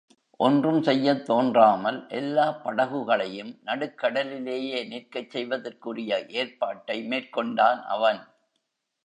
ஒன்றும் செய்யத் தோன்றாமல் எல்லாப் படகுகளையும் நடுக் கடலிலேயே நிற்கச் செய்வதற்குரிய ஏற்பாட்டை மேற்கொண்டான் அவன்.